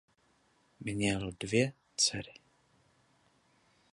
Měl dvě dcery.